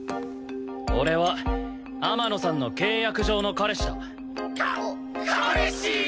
俺は天野さんの契約上の彼氏だ。か彼氏！？